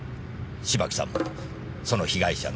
芝木さんもその被害者の１人だった。